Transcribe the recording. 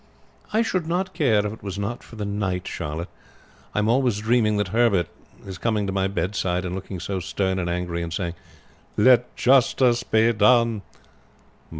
"I should not care if it was not for the night, Charlotte. I am always dreaming that Herbert is coming to my bedside and looking so stern and angry, and saying, 'Let justice be done.'"